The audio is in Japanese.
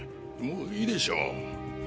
もういいでしょう？